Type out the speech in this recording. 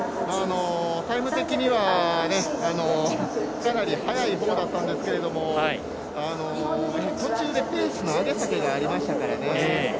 タイム的にはかなり速いほうだったんですけど途中でペースの上げ下げがありましたから。